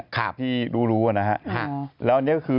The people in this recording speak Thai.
ครามที่รู้อ่ะนะฮะและหัวอันนี้ก็คือ